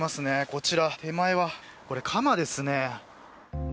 こちら、手前は鎌ですね。